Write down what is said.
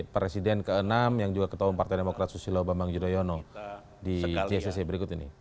presiden ke enam yang juga ketua umum partai demokrat susilo bambang yudhoyono di jcc berikut ini